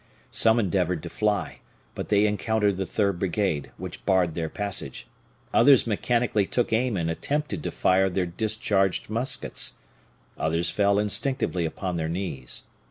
Some endeavored to fly, but they encountered the third brigade, which barred their passage; others mechanically took aim and attempted to fire their discharged muskets; others fell instinctively upon their knees.